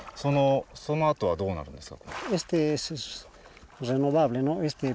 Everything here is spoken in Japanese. そのあとはどうなるんですか？